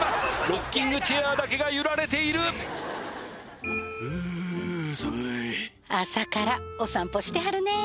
ロッキングチェアだけが揺られている朝からお散歩してはるね